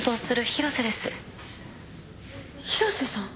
広瀬さん？